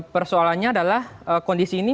persoalannya adalah kondisi ini